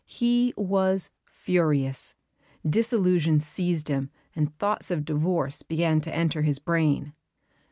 He was furious; disillusion seized him, and thoughts of divorce began to enter his brain.